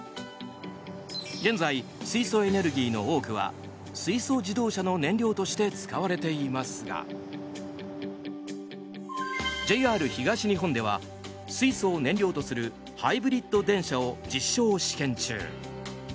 現在、水素エネルギーの多くは水素自動車の燃料として使われていますがＪＲ東日本では水素を燃料とするハイブリッド電車を実証試験中。